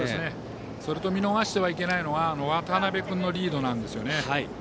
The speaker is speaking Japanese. それと見逃してはいけないのは渡辺君のリードなんです。